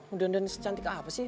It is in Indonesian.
udah udahan secantik apa sih